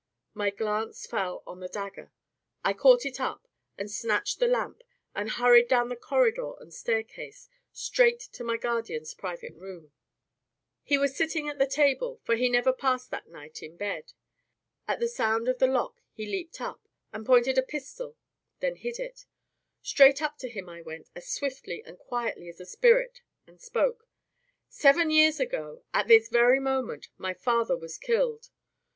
My glance fell on the dagger; I caught it up, and snatched the lamp, and hurried down corridor and staircase, straight to my guardian's private room. He was sitting at the table, for he never passed that night in bed. At the sound of the lock he leaped up, and pointed a pistol, then hid it. Straight up to him I went, as swiftly and quietly as a spirit, and spoke: "Seven years ago, at this very moment, my father was killed.